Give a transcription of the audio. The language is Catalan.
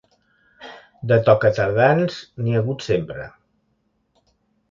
De tocatardans n'hi ha hagut sempre.